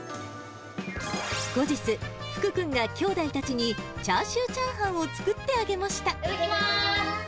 後日、福君がきょうだいたちにチャーシューチャーハンを作ってあげましいただきます。